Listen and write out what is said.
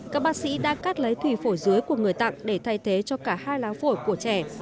các bác sĩ đã cắt lấy thủy phổi dưới của người tặng để thay thế cho cả hai lá phổi của trẻ